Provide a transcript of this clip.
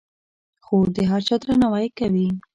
خور د هر چا درناوی کوي.